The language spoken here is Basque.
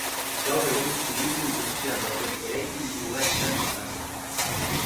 Gaur egun hiriburu guztian dauden eraikin ugaritan banatzen da.